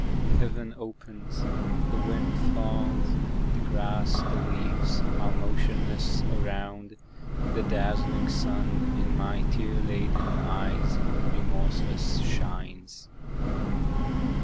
Heaven opens; the wind falls; the grass, the leaves Are motionless, around; the dazzling sun In my tear laden eyes remorseless shines.